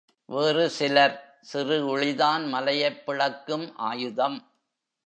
வேறு சிலர், சிறு உளிதான் மலையைப் பிளக்கும் ஆயுதம்!